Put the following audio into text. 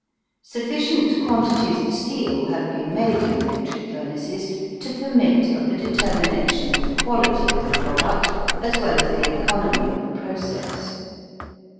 Sufficient quantities of steel have been made in electric furnaces to permit of the determination of the quality of the product as well as the economy of the process.